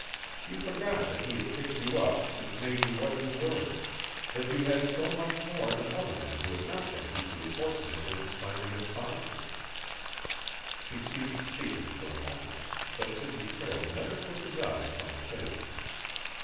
You forgot that he had picked you up and made you what you were, that you had so much more than other men who had not been equally fortunate in finding a sponsor." She ceased speaking for a moment, but Sidney Prale never took his eyes from her face.